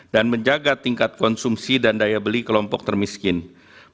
dan menjaga tingkat konsumsi dan daya beli kelompok termiskinan